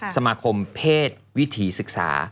สมาคมเพศวิถีศึกษา